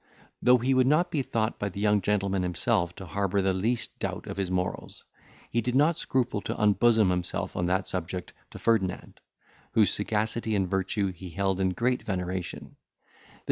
Though he would not be thought by the young gentleman himself to harbour the least doubt of his morals, he did not scruple to unbosom himself on that subject to Ferdinand, whose sagacity and virtue he held in great veneration.